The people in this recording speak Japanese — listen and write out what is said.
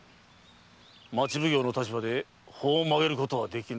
町奉行の立場で法を曲げることはできぬ。